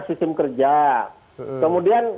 sistem kerja kemudian